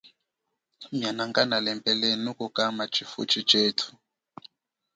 Mianangana lembelenuko kama chifuchi chethu.